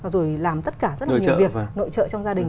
rồi làm tất cả rất nhiều việc nội trợ trong gia đình